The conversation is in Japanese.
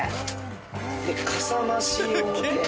でかさまし用で。